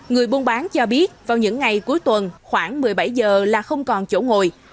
người buôn bán cho biết vào những ngày cuối tuần khoảng một mươi bảy giờ là không còn chỗ ngồi